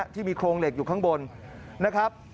ที่มีโครงเหล็กอยู่ข้างบนนะครับ